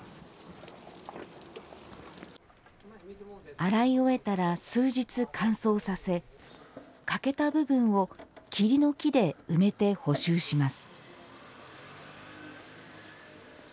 洗い終えたら数日乾燥させ欠けた部分を桐の木で埋めて補修します。